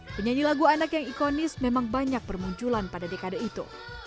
penyanyi lagu anak yang ikonis memang banyak bermunculan pada dekade itu